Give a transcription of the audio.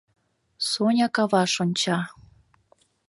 Соня каваш онча.